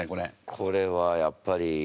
これはやっぱり。